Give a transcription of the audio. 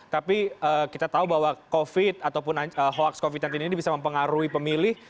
tapi kita tahu bahwa covid ataupun hoax covid sembilan belas ini bisa mempengaruhi pemilih